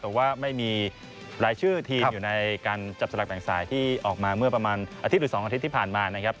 แต่ว่าไม่มีรายชื่อทีมอยู่ในการจับสลักแบ่งสายที่ออกมาเมื่อประมาณอาทิตย์หรือ๒อาทิตย์ที่ผ่านมานะครับ